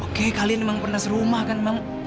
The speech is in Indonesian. oke kalian emang pernah serumah kan bang